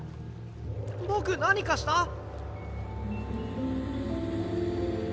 僕何かした？